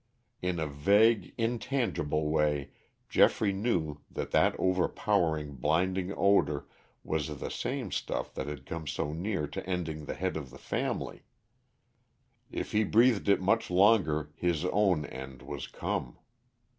In a vague, intangible way Geoffrey knew that that overpowering blinding odor was the same stuff that had come so near to ending the head of the family. If he breathed it much longer, his own end was come.